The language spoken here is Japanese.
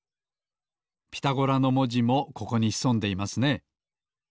「ピタゴラ」のもじもここにひそんでいますね。